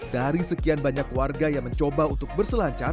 dari sekian banyak warga yang mencoba untuk berselancar